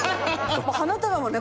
花束もね